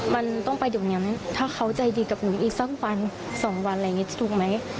มันต้องไปตรงนี้ถ้าเขาใจดีกับหนูอีกสักวันสองวันอะไรอย่างนี้ถูกไหม